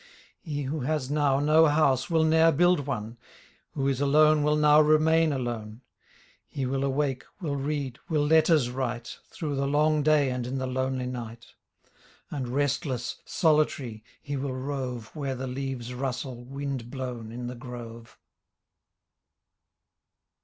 He who has now no house will ne'er build one, Who is alone will now remain alone ; He will awake, will read, will letters write Through the long day and in the lonely night; And restless, solitary, he will rove Where the leaves rustle, wind blown, in the grove.